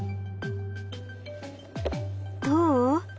どう？